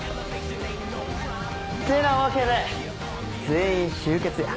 てなわけで全員集結や。